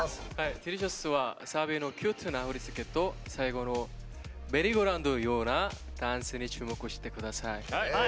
「Ｄｅｌｉｃｉｏｕｓ」はサビのキュートな振り付けと最後のメリーゴーラウンドのようなダンスに注目してください。